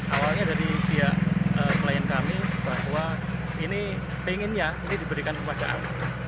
awalnya dari pihak klien kami bahwa ini pengennya ini diberikan kepada kami